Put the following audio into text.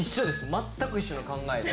全く一緒の考えで。